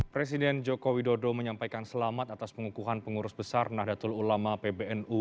presiden joko widodo menyampaikan selamat atas pengukuhan pengurus besar nahdlatul ulama pbnu